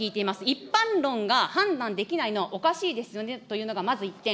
一般論が判断できないのはおかしいですよねというのがまず１点。